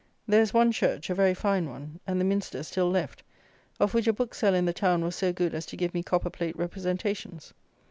There is one church, a very fine one, and the minster still left; of which a bookseller in the town was so good as to give me copper plate representations.